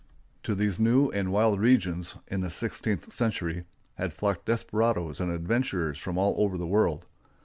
To these new and wild regions, in the sixteenth century, had flocked desperados and adventurers from all over the world.